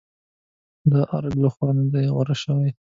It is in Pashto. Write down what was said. د ارګ لخوا نه دي غوره شوې.